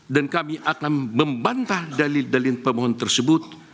dan kami akan membantah dalil dalil pemohon tersebut